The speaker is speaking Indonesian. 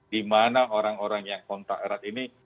di mana orang orang yang kontak erat ini